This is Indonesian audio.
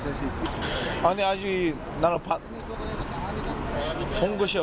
tidak saya belum pernah melihat kontrak baru dari pssi